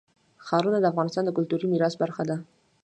ښارونه د افغانستان د کلتوري میراث برخه ده.